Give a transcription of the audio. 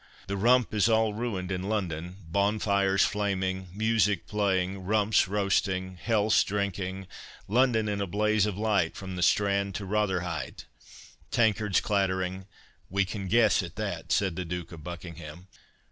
The Rump is all ruined in London—Bonfires flaming, music playing, rumps roasting, healths drinking, London in a blaze of light from the Strand to Rotherhithe—tankards clattering"— "We can guess at that," said the Duke of Buckingham.